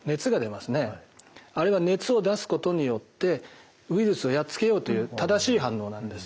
あれは熱を出すことによってウイルスをやっつけようという正しい反応なんです。